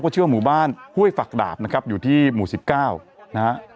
เชื่อหมู่บ้านห้วยฝักดาบนะครับอยู่ที่หมู่๑๙นะฮะ